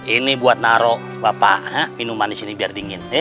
ini buat naruh bapak minuman di sini biar dingin